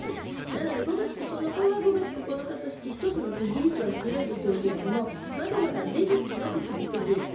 なので、５月９日は５月９日として、一つの区切りとはするんでしょうけど、まだまだ出口なく続けていく。